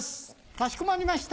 かしこまりました。